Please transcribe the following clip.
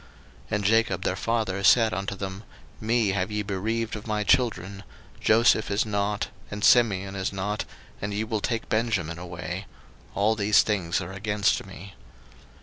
01:042:036 And Jacob their father said unto them, Me have ye bereaved of my children: Joseph is not, and Simeon is not, and ye will take Benjamin away: all these things are against me.